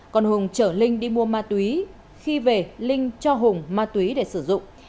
còn hùng chở linh đi mua ma túy khi về linh cho hùng ma túy để sử dụng